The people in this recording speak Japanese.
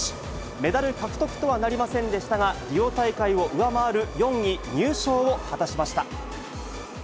メダル獲得とはなりませんでしたが、リオ大会を上回る４位入賞を果たしました。